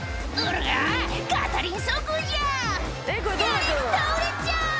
あれ倒れちゃう」